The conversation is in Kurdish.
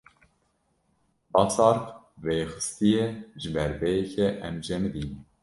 Basark vêxistiye, ji ber vê yekê em cemidîn.